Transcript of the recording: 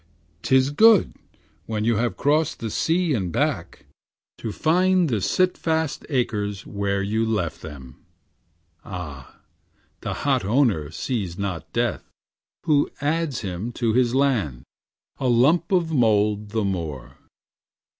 'Tis good, when you have crossed the sea and back, To find the sitfast acres where you left them.' Ah! the hot owner sees not Death, who adds Him to his land, a lump of mould the more.